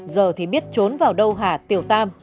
giờ thì biết trốn vào đâu rồi